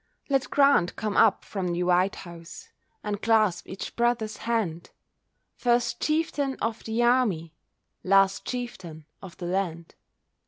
Let Grant come up from the White House, And clasp each brother's hand, First chieftain of the army, Last chieftain of the land.